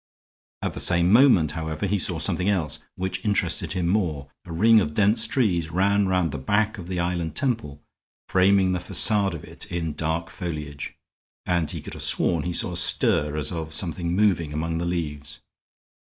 At the same moment, however, he saw something else, which interested him more. A ring of dense trees ran round the back of the island temple, framing the facade of it in dark foliage, and he could have sworn he saw a stir as of something moving among the leaves.